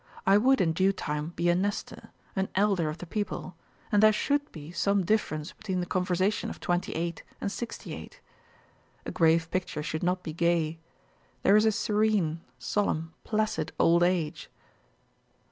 I would, in due time, be a Nestor, an elder of the people; and there should be some difference between the conversation of twenty eight and sixty eight. A grave picture should not be gay. There is a serene, solemn, placid old age.